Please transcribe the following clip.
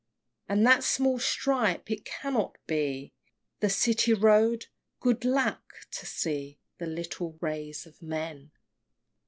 And that small stripe? it cannot be The City Road! Good lack! to see The little ways of men!